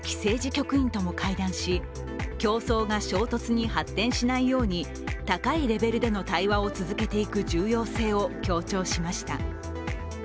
局員とも会談し、競争が衝突に発展しないように高いレベルでの対話を続けていく重要性を強調しました。